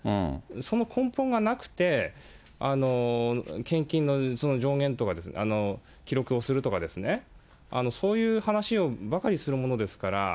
その根本がなくて、献金の上限とか、記録をするとかですね、そういう話ばかりするものですから。